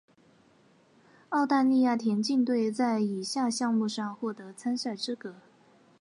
澳大利亚田径队在以下项目上获得参赛资格。